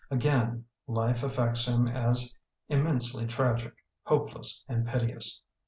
Again, life affects him as im mensely tragic, hopeless, and piteous.